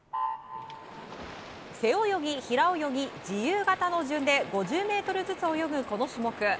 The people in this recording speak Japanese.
背泳ぎ、平泳ぎ、自由形の順で５０ｍずつ泳ぐこの種目。